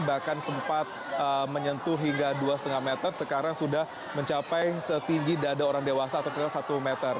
bahkan sempat menyentuh hingga dua lima meter sekarang sudah mencapai setinggi dada orang dewasa atau sekitar satu meter